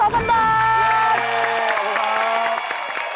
เย้ขอบคุณครับ